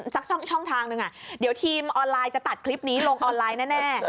ช่องทางหนึ่งเดี๋ยวทีมออนไลน์จะตัดคลิปนี้ลงออนไลน์แน่